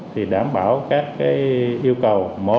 thì đảm bảo các yêu cầu